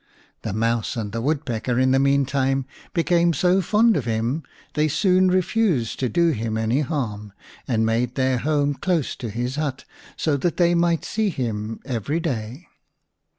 The Mouse and the Woodpecker in the meantime became so fond of him they soon refused to do him any harm, and made their home close to his hut, so that they might see him every day.